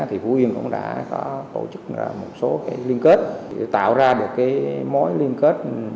thì phú yên cũng đã có tổ chức ra một số cái liên kết tạo ra được cái mối liên kết